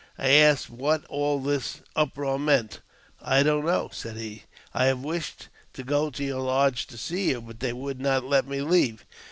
I asked what all this uproar meant. "I don't know," said he; "I have wished to go to your lodge to see you, but they would not let me leave.